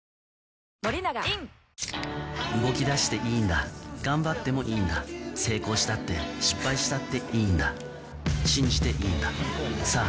プシュ動き出していいんだ頑張ってもいいんだ成功したって失敗したっていいんだ信じていいんださぁ